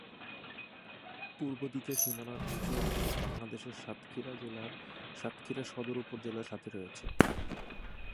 পূর্ব দিকে সীমানার কিছু অংশ বাংলাদেশের সাতক্ষীরা জেলার সাতক্ষীরা সদর উপজেলার সাথে রয়েছে।